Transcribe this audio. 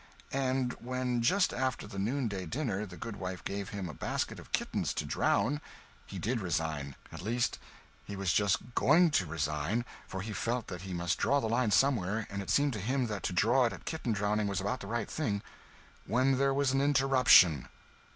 And when, just after the noonday dinner, the goodwife gave him a basket of kittens to drown, he did resign. At least he was just going to resign for he felt that he must draw the line somewhere, and it seemed to him that to draw it at kitten drowning was about the right thing when there was an interruption.